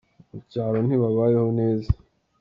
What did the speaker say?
Mucyaro ntibabayeho neza